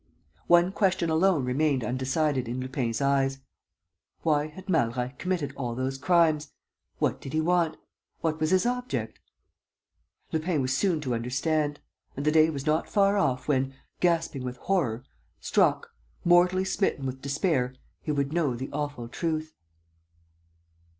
One question alone remained undecided in Lupin's eyes: why had Malreich committed all those crimes? What did he want? What was his object? Lupin was soon to understand; and the day was not far off when, gasping with horror, struck, mortally smitten with despair, he would know the awful truth.